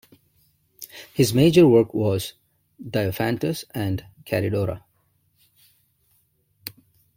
His major work was "Diophantus and Charidora".